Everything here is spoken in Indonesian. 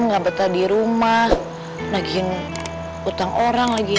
gak betah di rumah lagi utang orang lagi